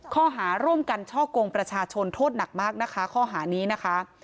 ข้อหาร่วมกันช่อกงประชาชนโทษหนักมากนะคะข้อหานี้นะคะ